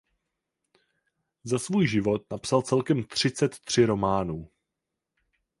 Za svůj život napsal celkem třicet tři románů.